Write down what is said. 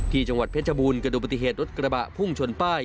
ที่จังหวัดเพชรบูรณ์เกิดอุบัติเหตุรถกระบะพุ่งชนป้าย